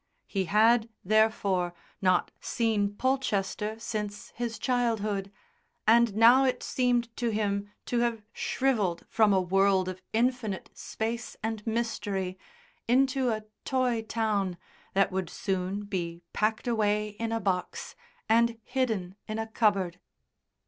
He had, therefore, not seen Polchester since his childhood, and now it seemed to him to have shrivelled from a world of infinite space and mystery into a toy town that would be soon packed away in a box and hidden in a cupboard.